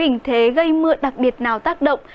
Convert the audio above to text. hình thế gây mưa đặc biệt nào tác động